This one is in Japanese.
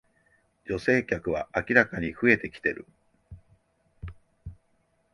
女性客は明らかに増えてきてる